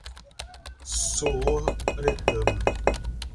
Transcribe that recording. Sooretama